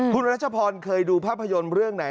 คุณรัชพรเคยดูภาพยนตร์เรื่องไหน